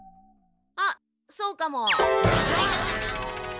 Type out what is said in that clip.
あっそうかも。